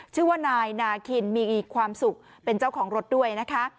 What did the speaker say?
ชื่อว่านายนาคินมีความสุขเป็นเจ้าของรถด้วยนะคะ